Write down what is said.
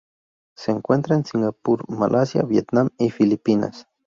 Se encuentra en Singapur, Malasia, Vietnam y las Filipinas.